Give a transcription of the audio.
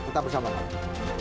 tetap bersama kami